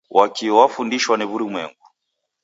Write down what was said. Wakio wafundishwa ni wurumwengu.